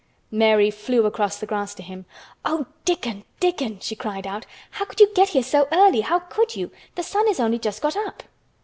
Mary flew across the grass to him. "Oh, Dickon! Dickon!" she cried out. "How could you get here so early! How could you! The sun has only just got up!"